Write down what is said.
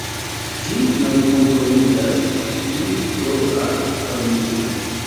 Ĝi malkomponiĝas dum troa varmigo.